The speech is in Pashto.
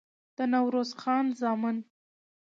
د نوروز خان زامن